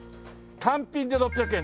単品で６００円。